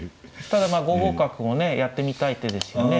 ただまあ５五角もねやってみたい手でしたね。